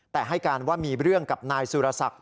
แต่ให้การว่ามีเรื่องกับนายสุรสัก